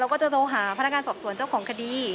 ก็จะโทรหาพนักงานสอบสวนเจ้าของคดี